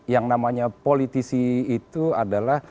yang namanya politisi itu adalah